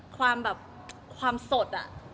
ความสดอะ